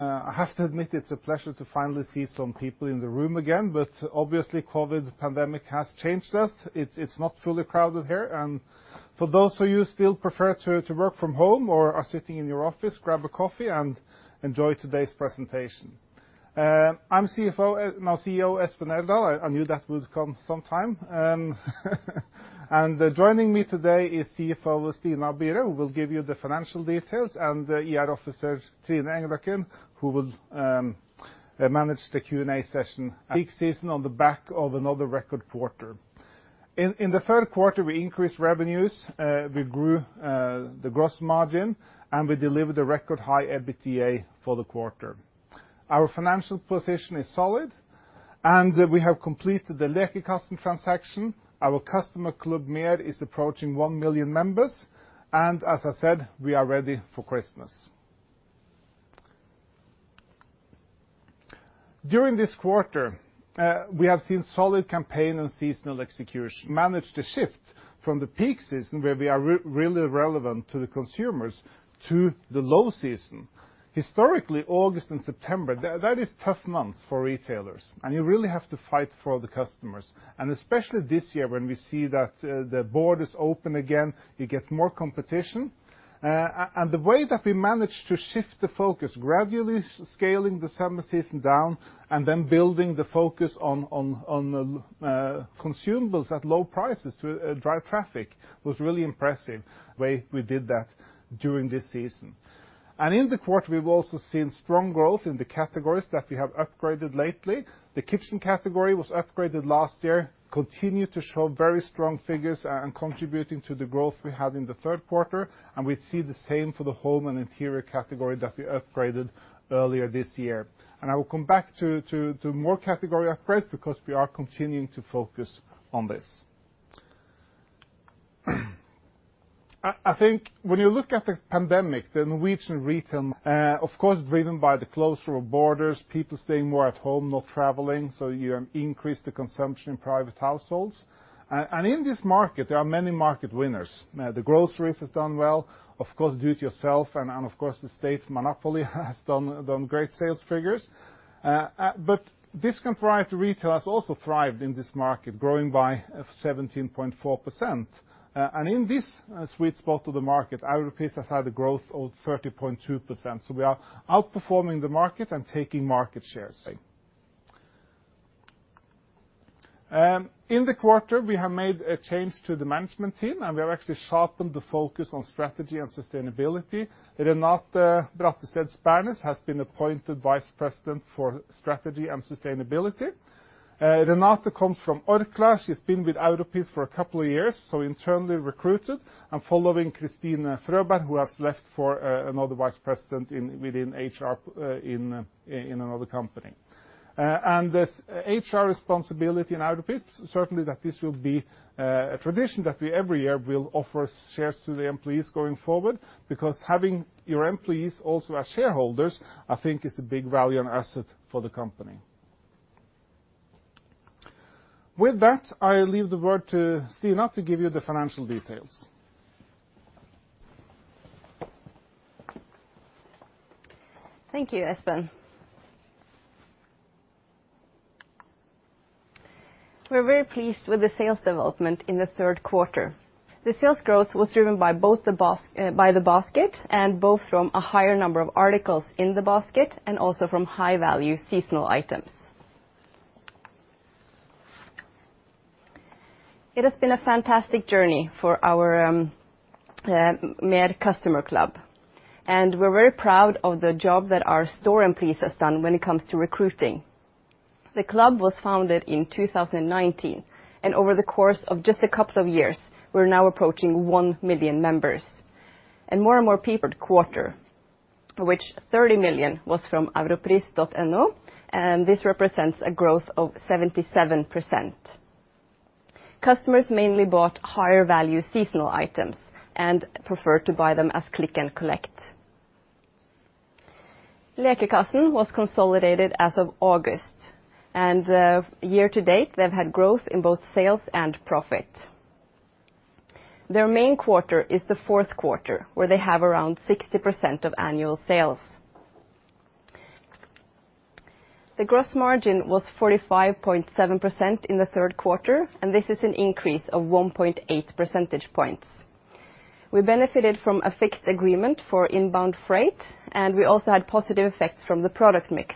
I have to admit it's a pleasure to finally see some people in the room again. Obviously, COVID pandemic has changed us. It's not fully crowded here. For those of you who still prefer to work from home or are sitting in your office, grab a coffee and enjoy today's presentation. I'm CFO, now CEO, Espen Eldal. I knew that would come sometime. Joining me today is CFO Stina Byre, who will give you the financial details, and IR Officer Trine Engløkken, who will manage the Q&A session. Peak season on the back of another record quarter. In the third quarter, we increased revenues, we grew the gross margin, and we delivered a record high EBITDA for the quarter. Our financial position is solid, and we have completed the Lekekassen transaction. Our customer club, MER, is approaching 1 million members, and as I said, we are ready for Christmas. During this quarter, we have seen solid campaign and seasonal execution. We managed to shift from the peak season where we are really relevant to the consumers to the low season. Historically, August and September, that is tough months for retailers, and you really have to fight for the customers. Especially this year when we see that the border is open again, you get more competition. The way that we managed to shift the focus, gradually scaling the summer season down and then building the focus on consumables at low prices to drive traffic, was really impressive the way we did that during this season. In the quarter, we've also seen strong growth in the categories that we have upgraded lately. The kitchen category was upgraded last year, continued to show very strong figures and contributing to the growth we had in the third quarter, and we see the same for the home and interior category that we upgraded earlier this year. I will come back to more category upgrades because we are continuing to focus on this. I think when you look at the pandemic, the Norwegian retail, of course, driven by the closure of borders, people staying more at home, not traveling, so you increase the consumption in private households. In this market, there are many market winners. The groceries has done well. Of course, do it yourself and of course, the state monopoly has done great sales figures. Discount-driven retail has also thrived in this market, growing by 17.4%. In this sweet spot of the market, Europris has had a growth of 30.2%, so we are outperforming the market and taking market shares. In the quarter, we have made a change to the management team, and we have actually sharpened the focus on strategy and sustainability. Renate Brattested Spernes has been appointed Vice President for Strategy and Sustainability. Renate comes from Orkla. She's been with Europris for a couple of years, so internally recruited, and following Kristine Frøberg, who has left for another vice president within HR in another company. This HR responsibility in Europris certainly that this will be a tradition that we every year will offer shares to the employees going forward. Because having your employees also as shareholders, I think is a big value and asset for the company. With that, I leave the word to Stina to give you the financial details. Thank you, Espen. We're very pleased with the sales development in the third quarter. The sales growth was driven by the basket, both from a higher number of articles in the basket and also from high-value seasonal items. It has been a fantastic journey for our MER customer club, and we're very proud of the job that our store employees has done when it comes to recruiting. The club was founded in 2019, and over the course of just a couple of years, we're now approaching 1 million members. Online sales in the quarter, which 30 million was from europris.no, and this represents a growth of 77%. Customers mainly bought higher value seasonal items and preferred to buy them as click and collect. Lekekassen was consolidated as of August, and year to date, they've had growth in both sales and profit. Their main quarter is the fourth quarter, where they have around 60% of annual sales. The gross margin was 45.7% in the third quarter, and this is an increase of 1.8 percentage points. We benefited from a fixed agreement for inbound freight, and we also had positive effects from the product mix,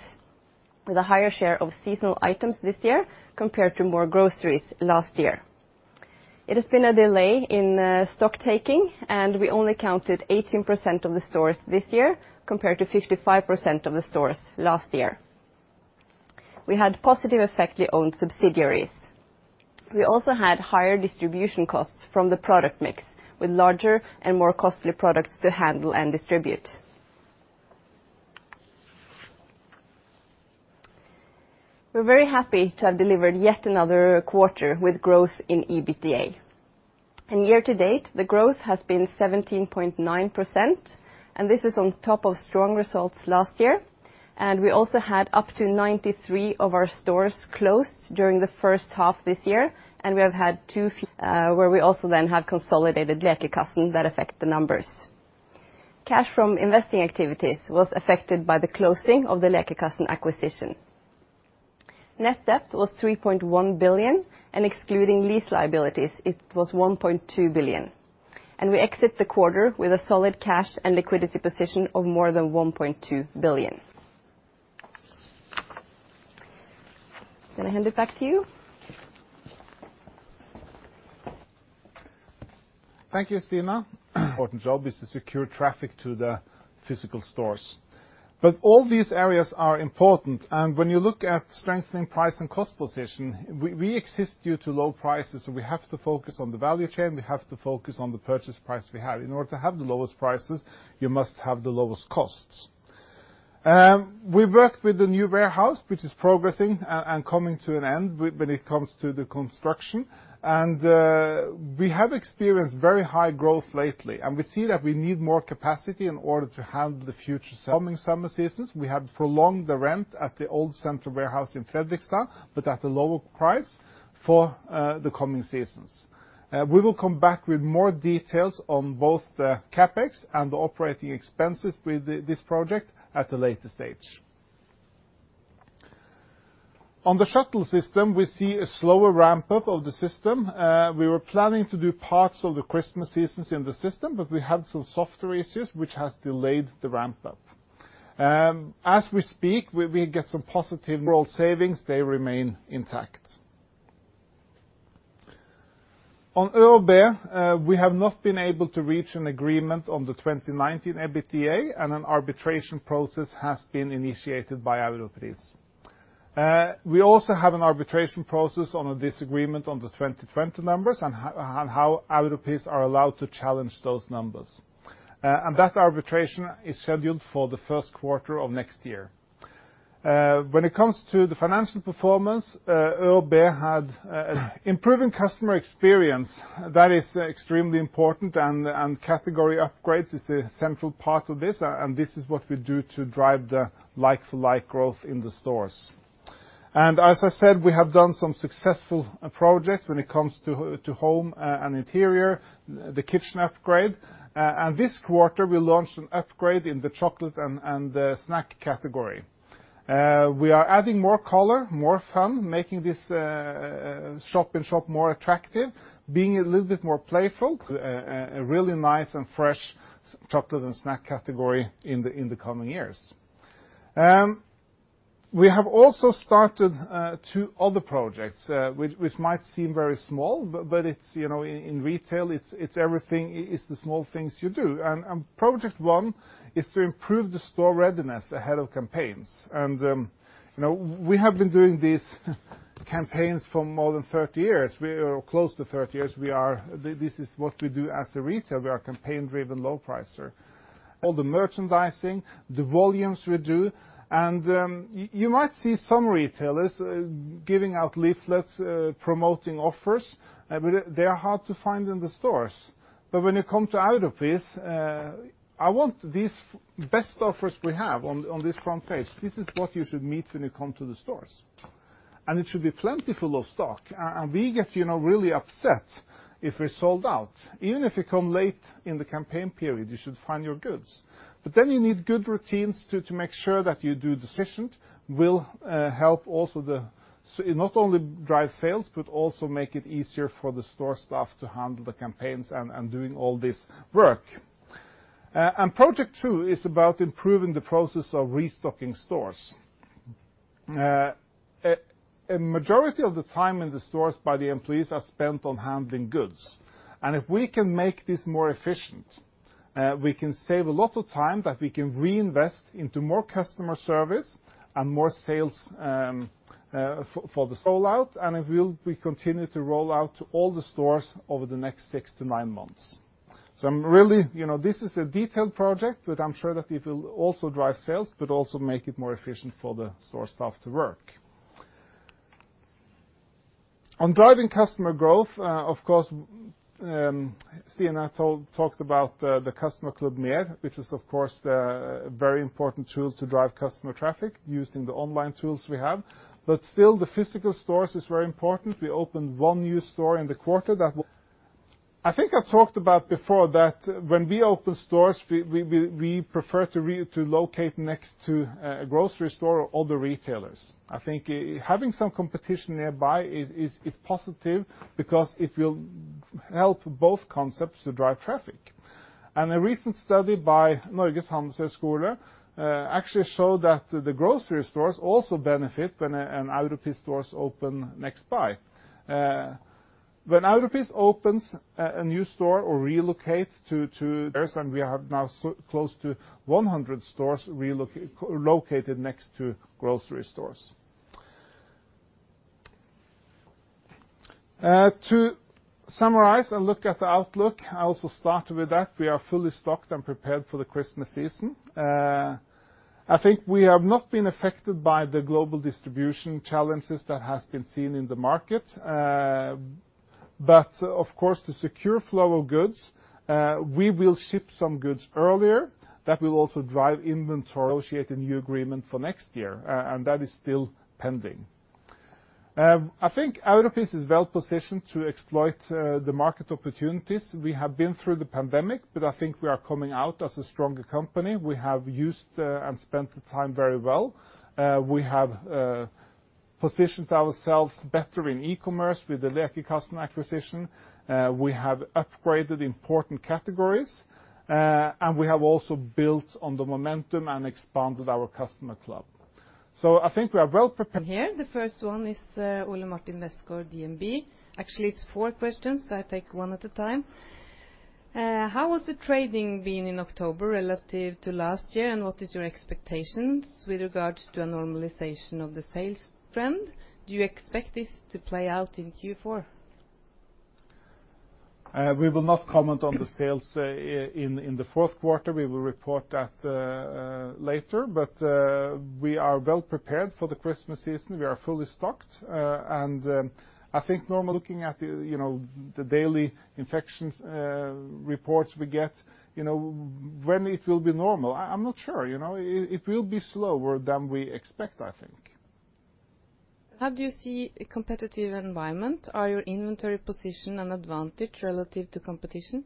with a higher share of seasonal items this year compared to more groceries last year. There has been a delay in stock taking, and we only counted 18% of the stores this year, compared to 55% of the stores last year. We had positive effect from leased own subsidiaries. We also had higher distribution costs from the product mix, with larger and more costly products to handle and distribute. We're very happy to have delivered yet another quarter with growth in EBITDA. Year-to-date, the growth has been 17.9%, and this is on top of strong results last year. We also had up to 93 of our stores closed during the first half this year, and we have had two, where we also then have consolidated Lekekassen that affect the numbers. Cash from investing activities was affected by the closing of the Lekekassen acquisition. Net debt was 3.1 billion, and excluding lease liabilities, it was 1.2 billion. We exit the quarter with a solid cash and liquidity position of more than 1.2 billion. Gonna hand it back to you. Thank you, Stina. Important job is to secure traffic to the physical stores. All these areas are important, and when you look at strengthening price and cost position, we exist due to low prices, so we have to focus on the value chain, we have to focus on the purchase price we have. In order to have the lowest prices, you must have the lowest costs. We've worked with the new warehouse, which is progressing and coming to an end when it comes to the construction. We have experienced very high growth lately, and we see that we need more capacity in order to handle the future selling summer seasons. We have prolonged the rent at the old central warehouse in Fredrikstad, but at a lower price for the coming seasons. We will come back with more details on both the CapEx and the operating expenses with this project at a later stage. On the shuttle system, we see a slower ramp-up of the system. We were planning to do parts of the Christmas seasons in the system, but we had some software issues which has delayed the ramp-up. As we speak, we get some positive overall savings, they remain intact. On ÖoB, we have not been able to reach an agreement on the 2019 EBITDA, and an arbitration process has been initiated by Europris. We also have an arbitration process on a disagreement on the 2020 numbers and how Europris are allowed to challenge those numbers. That arbitration is scheduled for the first quarter of next year. When it comes to the financial performance, ÖoB had improving customer experience, that is extremely important and category upgrades is a central part of this and this is what we do to drive the like for like growth in the stores. As I said, we have done some successful projects when it comes to home and interior, the kitchen upgrade, and this quarter we launched an upgrade in the chocolate and the snack category. We are adding more color, more fun, making this shop in shop more attractive, being a little bit more playful, a really nice and fresh chocolate and snack category in the coming years. We have also started two other projects which might seem very small, but it's, you know, in retail, it's everything, it's the small things you do. Project one is to improve the store readiness ahead of campaigns. You know, we have been doing these campaigns for more than 30 years. We are close to 30 years. This is what we do as a retailer. We are a campaign-driven low pricer. All the merchandising, the volumes we do, you might see some retailers giving out leaflets promoting offers, but they're hard to find in the stores. When you come to Europris, I want these best offers we have on this front page. This is what you should meet when you come to the stores. It should be plenty full of stock. We get, you know, really upset if we're sold out. Even if you come late in the campaign period, you should find your goods. But then you need good routines to make sure that your decisions will help, not only drive sales, but also make it easier for the store staff to handle the campaigns and doing all this work. Project two is about improving the process of restocking stores. A majority of the time in the stores by the employees are spent on handling goods. If we can make this more efficient, we can save a lot of time that we can reinvest into more customer service and more sales for the sold out, and it will be continued to roll out to all the stores over the next six to nine months. I'm really. You know, this is a detailed project, but I'm sure that it will also drive sales, but also make it more efficient for the store staff to work. On driving customer growth, of course, Stina talked about the customer club MER, which is of course the very important tool to drive customer traffic using the online tools we have. But still, the physical stores is very important. We opened one new store in the quarter. I think I've talked about before that when we open stores, we prefer to locate next to a grocery store or other retailers. I think having some competition nearby is positive because it will help both concepts to drive traffic. A recent study by Norges Handelshøyskole actually showed that the grocery stores also benefit when an Europris store opens next to. When Europris opens a new store or relocates. We have now close to 100 stores relocated next to grocery stores. To summarize and look at the outlook, I also started with that. We are fully stocked and prepared for the Christmas season. I think we have not been affected by the global distribution challenges that has been seen in the market. Of course, to secure flow of goods, we will ship some goods earlier that will also drive inventory. Negotiate a new agreement for next year, and that is still pending. I think Europris is well positioned to exploit the market opportunities. We have been through the pandemic, but I think we are coming out as a stronger company. We have used and spent the time very well. We have positioned ourselves better in e-commerce with the Lekekassen customer acquisition. We have upgraded important categories and we have also built on the momentum and expanded our customer club. I think we are well prepared. Here, the first one is, Ole Martin Westgaard, DNB. Actually, it's four questions, so I take one at a time. How has the trading been in October relative to last year, and what is your expectations with regards to a normalization of the sales trend? Do you expect this to play out in Q4? We will not comment on the sales in the fourth quarter. We will report that later. We are well prepared for the Christmas season. We are fully stocked. I think normally looking at the, you know, the daily infections reports we get, you know, when it will be normal, I'm not sure, you know. It will be slower than we expect, I think. How do you see a competitive environment? Is your inventory position an advantage relative to competition?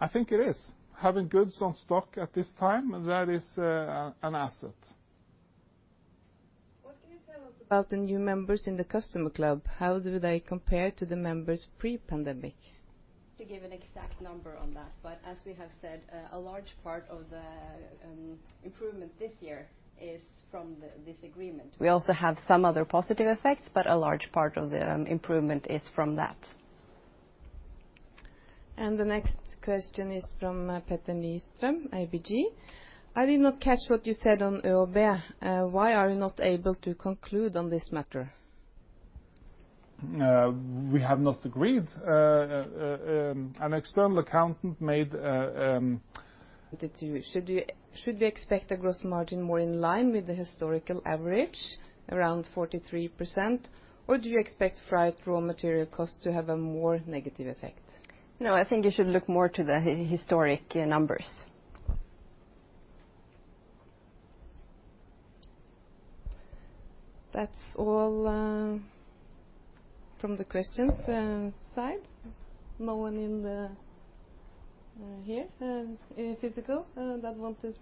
I think it is. Having goods in stock at this time, that is, an asset. What can you tell us about the new members in the customer club? How do they compare to the members pre-pandemic? To give an exact number on that, but as we have said, a large part of the improvement this year is from this agreement. We also have some other positive effects, but a large part of the improvement is from that. The next question is from Petter Nystrøm, ABG. I did not catch what you said on ÖoB. Why are you not able to conclude on this matter? We have not agreed.[An external accountant made...] To you. Should we expect a gross margin more in line with the historical average around 43%, or do you expect rising raw material costs to have a more negative effect? No, I think you should look more to the historic numbers. That's all from the questions side. No one in the here physical that wanted.